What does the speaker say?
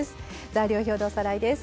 材料表でおさらいです。